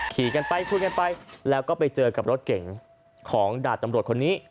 ขี่กันไปคุยกันไปแล้วก็ไปเจอกับรถเก๋งของดาบตำรวจคนนี้